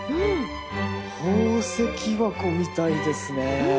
宝石箱みたいですね。